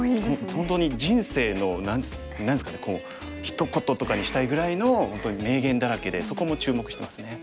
本当に人生の何ですかねひと言とかにしたいぐらいの本当に名言だらけでそこも注目してますね。